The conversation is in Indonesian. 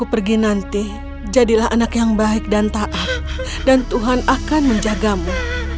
pergi nanti jadilah anak yang baik dan taat dan tuhan akan menjagamu